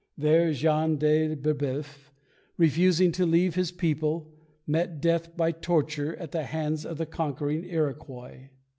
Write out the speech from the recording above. There Jean de Breboeuf, refusing to leave his people, met death by torture at the hands of the conquering Iroquois.